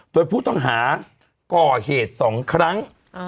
โดยผู้ต้องหาก่อเหตุ๒ครั้ง